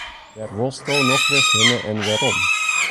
Wêr wolsto nochris hinne en wêrom?